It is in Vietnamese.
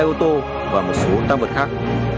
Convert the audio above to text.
hai ô tô và một số tam vật khác